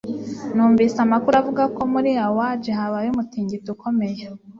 Numvise amakuru avuga ko muri Awaji habaye umutingito ukomeye